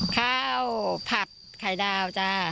ข้าวผัดไข่ดาวจ้า